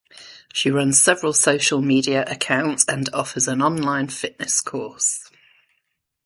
She runs several social media accounts and offers an online fitness course.